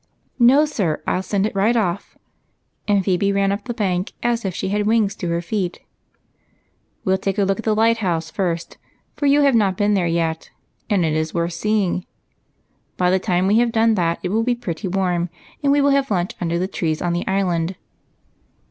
" No, sir. I '11 send it right off," and Phebe ran up the bank as if she had wings to her feet. " We '11 take a look at the light house first, for you have not been there yet, and it is worth seeing. By the time we have done that it will be pretty warm, and we will have lunch under the trees on the Island."